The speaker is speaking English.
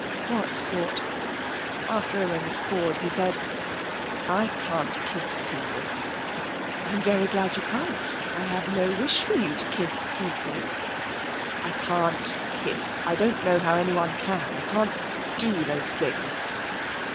'What sort?' After a moment's pause he said: 'I can't kiss people.' 'I'm very glad you can't. I have no wish for you to kiss people.' 'I can't kiss. I don't know how anyone can. I can't do those things.'